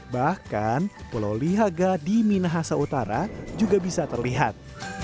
bahkan pulau lihaga di minahasa utara juga bisa terlihat